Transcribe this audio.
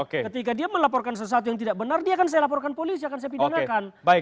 ketika dia melaporkan sesuatu yang tidak benar dia akan saya laporkan polisi akan saya pidanakan